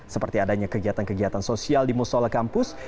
seperti adanya kegiatan kegiatan sosial di musola kampus